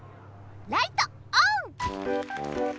ライトオン！